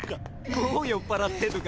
もう酔っ払ってんのか？